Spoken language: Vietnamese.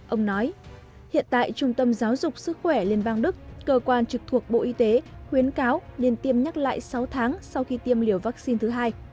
ông nói hiện tại trung tâm giáo dục sức khỏe liên bang đức cơ quan trực thuộc bộ y tế khuyến cáo nên tiêm nhắc lại sáu tháng sau khi tiêm liều vaccine thứ hai